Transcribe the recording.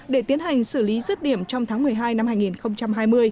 để tiến hành xử lý rứt điểm trong tháng một mươi hai năm hai nghìn hai mươi